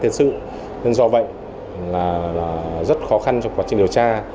nhóm đối tượng này do trẻ tuổi chưa qua tiền sử nên do vậy rất khó khăn trong quá trình điều tra